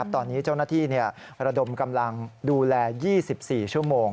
ตอนนี้เจ้าหน้าที่ระดมกำลังดูแล๒๔ชั่วโมง